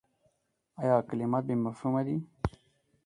ایا کلمات بې مفهومه دي ؟